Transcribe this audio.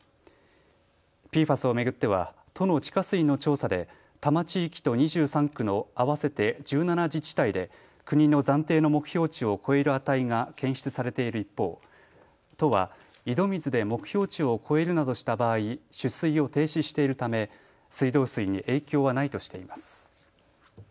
ＰＦＡＳを巡っては都の地下水の調査で多摩地域と２３区の合わせて１７自治体で国の暫定の目標値を超える値が検出されている一方、都は井戸水で目標値を超えるなどした場合、取水を停止しているため水道水に影響はないとしています。